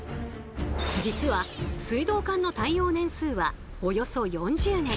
実は水道管の耐用年数はおよそ４０年。